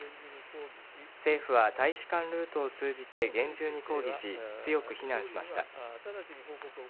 政府は大使館ルートを通じて厳重に抗議し強く非難しました。